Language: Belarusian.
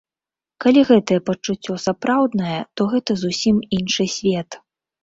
Калі гэтае пачуццё сапраўднае, то гэта зусім іншы свет.